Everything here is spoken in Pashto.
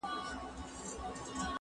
زه سندري نه اورم!